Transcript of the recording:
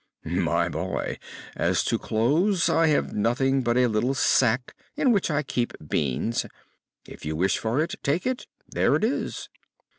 "My boy, as to clothes, I have nothing but a little sack in which I keep beans. If you wish for it, take it; there it is."